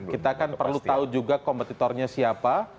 kita kan perlu tahu juga kompetitornya siapa